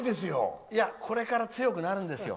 これから強くなるんですよ。